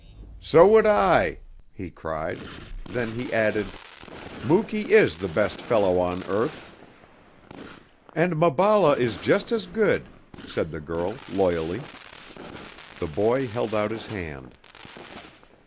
"So would I," he cried. Then he added, "Muky is the best fellow on earth." "And Maballa is just as good," said the girl loyally. The boy held out his hand.